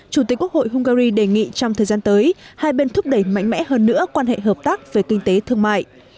chủ tịch quốc hội hungary đề nghị trong thời gian tới hai bên thúc đẩy mạnh mẽ hơn nữa quan hệ hợp tác về kinh tế thương mại